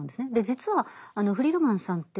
実はフリードマンさんって